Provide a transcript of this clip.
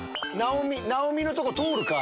直美のとこ通るか？